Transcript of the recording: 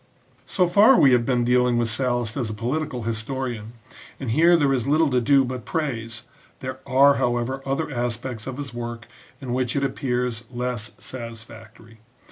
So far we have been dealing with Sallust as a polit ical historian, and here there is little to do but praise ; there are, however, other aspects of his work in which it appears less satisfactory.